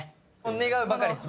願うばかりです。